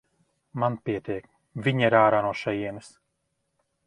Man pietiek, viņa ir ārā no šejienes.